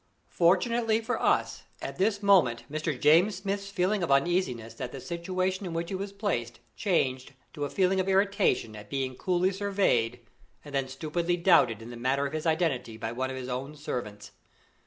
Fortunately for us, at this moment Mr. James Smith's feeling of uneasiness at the situation in which he was placed changed to a feeling of irritation at being coolly surveyed and then stupidly doubted in the matter of his identity by one of his own servants.